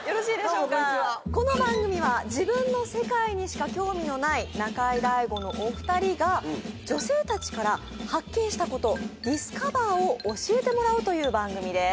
どうもこんにちはこの番組は自分の世界にしか興味のない中居大悟のお二人が女性たちから発見したことディスカバーを教えてもらうという番組です